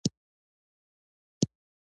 هغه په بې وزله کورنۍ کې پیدا شوی.